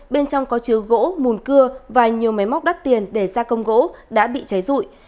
bên trong có chứa gỗ mùn cưa và nhiều máy móc đắt tiền để gia công gỗ đã bị cháy rụi